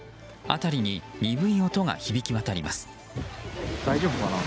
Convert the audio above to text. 辺りに鈍い音が響き渡ります。